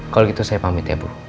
kalau gitu saya pamit ya bu